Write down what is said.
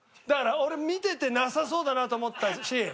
だから俺見ててなさそうだなと思ったし。